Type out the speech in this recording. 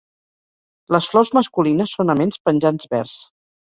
Les flors masculines són aments penjants verds.